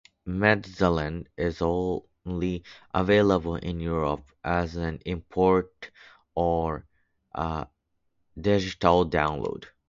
"Medazzaland" is only available in Europe as an import or digital download.